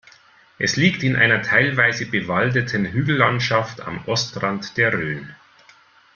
Es liegt in einer teilweise bewaldeten Hügellandschaft am Ostrand der Rhön.